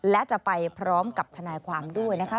และจะไปพร้อมกับทนายความด้วยนะคะ